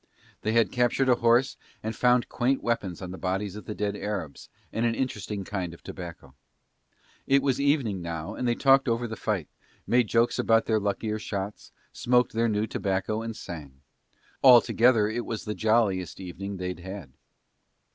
They had captured a horse and had found quaint weapons on the bodies of the dead Arabs and an interesting kind of tobacco. It was evening now and they talked over the fight, made jokes about their luckier shots, smoked their new tobacco and sang; altogether it was the jolliest evening they'd had.